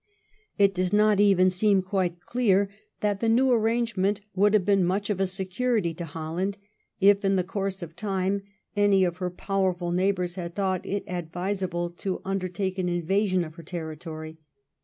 It does not even seem quite clear that the new arrangement would have been much of a security to Holland if, in the course of time, any of her powerful neighbours had thought it advisable to undertake an invasion of her territory.